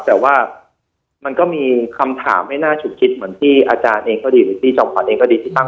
แต่ว่ามันก็มีคำถามไม่น่าฉุดคิดเหมือนที่อาจารย์เองก็ดีหรือพี่จอมขวัญเองก็ดีที่ตั้ง